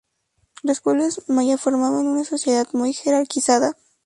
Los pueblos maya formaban una sociedad muy jerarquizada.